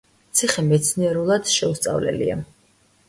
ციხე მეცნიერულად შეუსწავლელია.